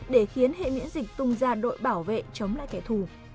để khiến hệ miễn dịch tung ra đội bảo vệ chống lại kẻ thù